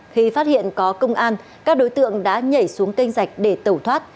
khi phát hiện có công an các đối tượng đã nhảy xuống kênh rạch để tẩu thoát